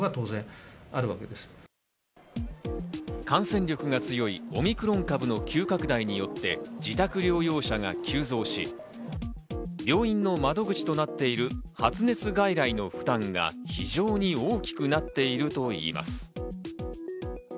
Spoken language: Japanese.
感染力が強いオミクロン株の急拡大によって自宅療養者が急増し、病院の窓口となっている発熱外来の負担が非常に大きくなっているといいます。